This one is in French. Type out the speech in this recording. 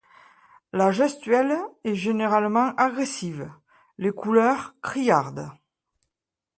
La gestuelle est généralement agressive, les couleurs criardes.